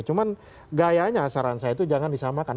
cuman gayanya saran saya itu jangan disamakan